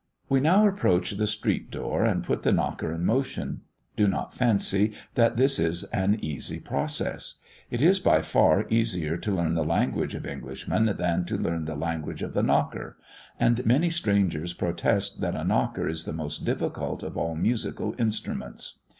We now approach the street door, and put the knocker in motion. Do not fancy that this is an easy process. It is by far easier to learn the language of Englishmen than to learn the language of the knocker; and many strangers protest that a knocker is the most difficult of all musical instruments.